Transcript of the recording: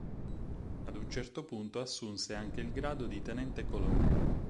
Ad un certo punto assunse anche il grado di tenente colonnello.